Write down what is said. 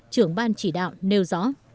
trưởng ban chỉ đạo nêu rõ